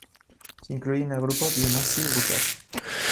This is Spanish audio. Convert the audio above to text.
Se incluye en el grupo Bionnassay-Goûter.